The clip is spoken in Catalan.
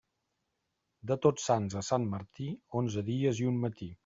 De Tots Sants a Sant Martí, onze dies i un matí.